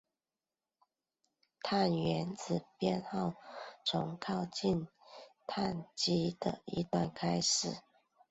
碳原子编号从靠近羰基的一端开始。